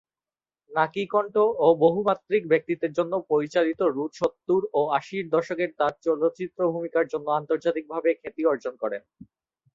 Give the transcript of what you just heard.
নাকি কণ্ঠ ও বহুমাত্রিক ব্যক্তিত্বের জন্য পরিচিত রুথ সত্তর ও আশির দশকে তার চলচ্চিত্র ভূমিকার জন্য আন্তর্জাতিকভাবে খ্যাতি অর্জন করেন।